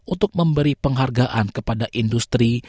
untuk memberi penghargaan kepada industri